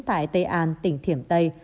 tại tây an tỉnh thiểm tây